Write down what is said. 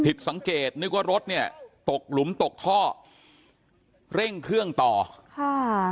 ผิดสังเกตนึกว่ารถเนี่ยตกหลุมตกท่อเร่งเครื่องต่อค่ะ